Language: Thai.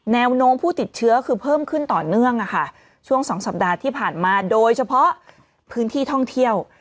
แนวโน้มผู้ติดเชื้อคือเพิ่มขึ้นต่อเนื่องช่วงสองสัปดาห์ที่ผ่านมาโดยเฉพาะพื้นที่ท่องเที่ยว